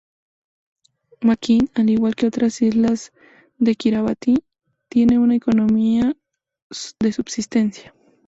Makin, al igual que otras islas de Kiribati, tiene una economía de subsistencia.